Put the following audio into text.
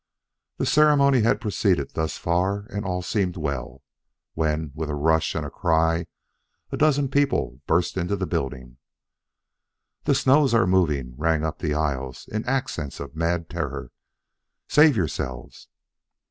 The ceremony had proceeded thus far and all seemed well, when with a rush and a cry a dozen people burst into the building. "The snows are moving!" rang up the aisles in accents of mad terror. "Save yourselves!"